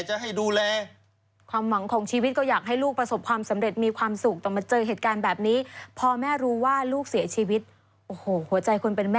หวังจะเอาไว้เอ่อ